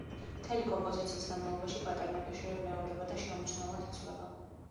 მთელი კომპოზიციის განმავლობაში პატერნები ხშირად მეორდება და შეუმჩნევლად იცვლება.